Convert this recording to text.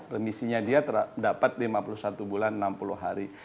remisinya dia dapat lima puluh satu bulan enam puluh hari